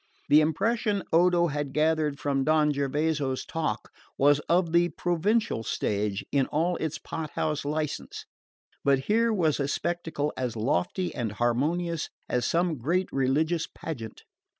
The impression Odo had gathered from Don Gervaso's talk was of the provincial stage in all its pothouse license; but here was a spectacle as lofty and harmonious as some great religious pageant.